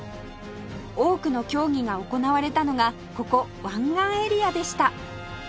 多くの競技が行われたのがここ湾岸エリアでした